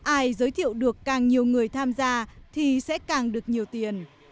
ai giới thiệu được càng nhiều người tham gia thì sẽ càng được nhiều tiền